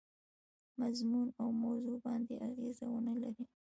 مضمون او موضوع باندي اغېزه ونه لري.